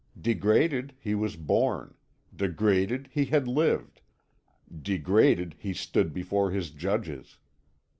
Degraded he was born, degraded he had lived, degraded he stood before his judges.